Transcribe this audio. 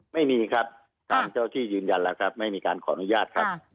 ไม่มีครับตามเจ้าที่ยืนยันแล้วครับไม่มีการขออนุญาตครับ